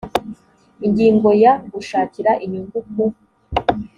ingingo ya gushakira inyungu ku